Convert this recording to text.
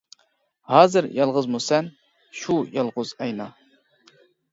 -ھازىر يالغۇزمۇ سەن؟ -شۇ يالغۇز ئاينا.